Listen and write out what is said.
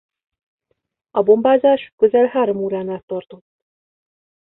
A bombázás közel három órán át tartott.